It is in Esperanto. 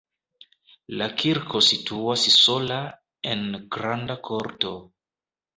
La kirko situas sola en granda korto.